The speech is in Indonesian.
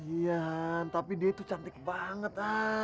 iya han tapi dia itu cantik banget han